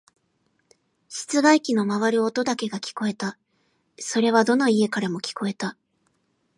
室外機の回る音だけが聞こえた。それはどの家からも聞こえた。